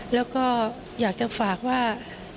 แล้วก็อยากจะฝากว่า